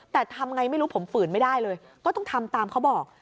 แต่ทำไงไม่รู้ผมฝืนไม่ได้เลยก็ต้องทำตามเขาบอก